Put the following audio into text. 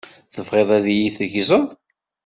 Tebɣiḍ ad yi-teggzeḍ?